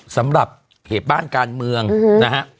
สำหรับเหตุบ้านการเมืองนะฮะ